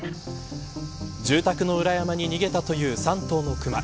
住宅の裏山に逃げたという３頭のクマ。